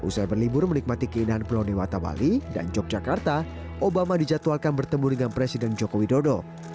usai berlibur menikmati keindahan pulau dewata bali dan yogyakarta obama dijadwalkan bertemu dengan presiden joko widodo